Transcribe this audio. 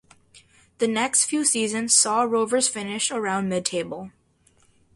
The next few seasons saw Rovers finish around mid-table.